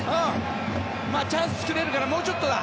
チャンス作れるからもうちょっとだ。